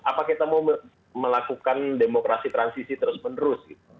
apa kita mau melakukan demokrasi transisi terus menerus gitu